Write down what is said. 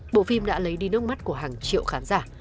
bộ phim đã lấy đi nước mắt của hàng triệu khán giả